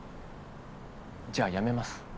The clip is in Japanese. じゃあ辞めます。